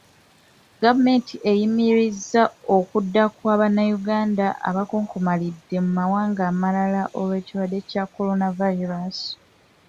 Gavumenti eyimirizza okudda kwa Bannayuganda abakonkomalidde mu mawanga amalala olw'ekirwadde kya Coronavirus.